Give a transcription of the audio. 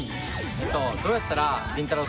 どうやったらりんたろー。